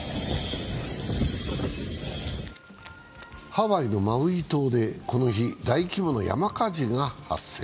ハワイのマウイ島で、この日大規模な山火事が発生。